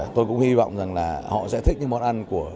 tôi cũng hy vọng họ sẽ thích những món ăn của quốc gia